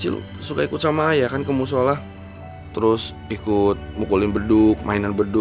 dasarnya kamu tuh soalin banget sih